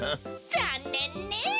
ざんねんね。